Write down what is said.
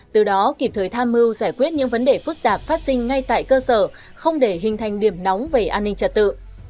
từ đó kịp thời tham mưu giải quyết những vấn đề phức tạp phát sinh ngay tại cơ sở không để hình thành điểm nóng về an ninh trật tự